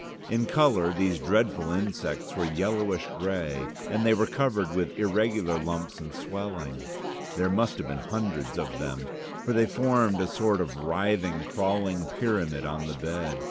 In colour these dreadful insects were yellowish grey, and they were covered with irregular lumps and swellings. There must have been hundreds of them, for they formed a sort of writhing, crawling pyramid on the bed.